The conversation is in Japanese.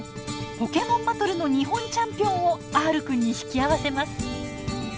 ポケモンバトルの日本チャンピオンをＲくんに引き合わせます。